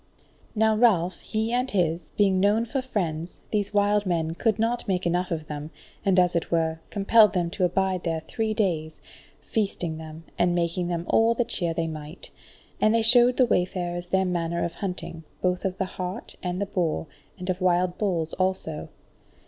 Now Ralph, he and his, being known for friends, these wild men could not make enough of them, and as it were, compelled them to abide there three days, feasting them, and making them all the cheer they might. And they showed the wayfarers their manner of hunting, both of the hart and the boar, and of wild bulls also.